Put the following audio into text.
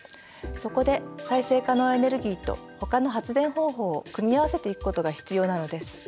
そこで再生可能エネルギーとほかの発電方法を組み合わせていくことが必要なのです。